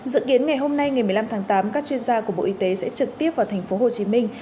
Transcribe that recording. dự kiến ngày hôm nay ngày một mươi năm tháng tám các chuyên gia của bộ y tế sẽ trực tiếp vào thành phố hồ chí minh